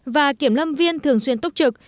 và kiểm lâm viên thường xuyên túc trực